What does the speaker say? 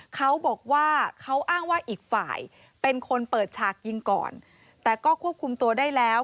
เขาบอกว่าเขาอ้างว่าอีกฝ่ายเป็นคนเปิดฉากยิงก่อนแต่ก็ควบคุมตัวได้แล้ว